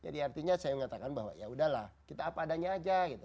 jadi artinya saya mengatakan bahwa ya udahlah kita apa adanya aja gitu